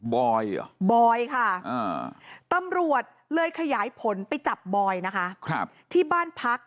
บอยค่ะตำรวจเลยขยายผลไปจับบอยนะคะที่บ้านพัก